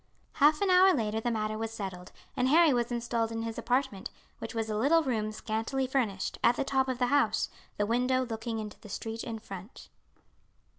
Half an hour later the matter was settled, and Harry was installed in his apartment, which was a little room scantily furnished, at the top of the house, the window looking into the street in front.